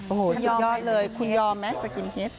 โอ้โหสุดยอดเลยคุณยอมไหมสกินฮิต